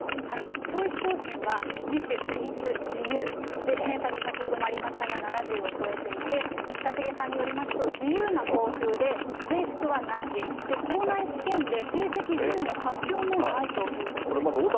教育方針は、自主、自律、自由で、偏差値先ほどもありましたが、７０を超えていて、近重さんによりますと、自由な校風で、制服はなし、校内試験で成績順位の発表もないということです。